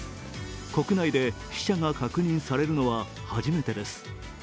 国内で死者が確認されるのは初めてです。